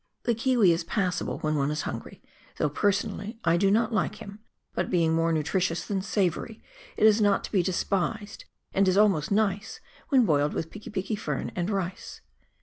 The kiwi is passable when one is hungry, though personally I do not like him, but being more nutritious than savoury, it is not to be despised, and is almost nice when boiled with piki piki fern and rice.